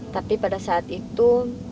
tapi pada saat itu